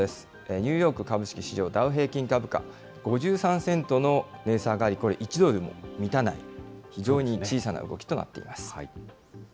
ニューヨーク株式市場ダウ平均株価、５３セントの値下がり、これ１ドルに満たない、非常に小さな動きとなっています。